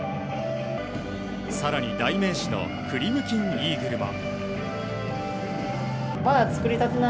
更に代名詞のクリムキンイーグルも。